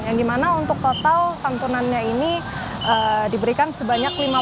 yang dimana untuk total santunannya ini diberikan sebanyak lima puluh